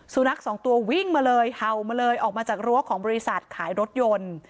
สุนัขสองตัววิ่งมาเลยเห่ามาเลยออกมาจากรั้วของบริษัทขายรถยนต์